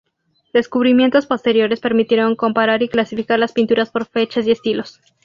Descubrimientos posteriores permitieron comparar y clasificar las pinturas por fechas y estilos.